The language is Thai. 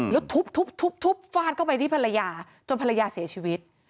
แล้วทุบฟาดเข้าไปที่ภรรยาจนภรรยาเสียชีวิต